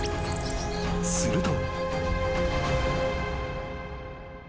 ［すると］